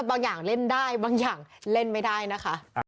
บางอย่างเล่นได้บางอย่างเล่นไม่ได้นะคะ